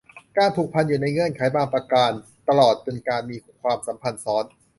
การผูกพันอยู่ในเงื่อนไขบางประการ ตลอดจนการมีความสัมพันธ์ซ้อน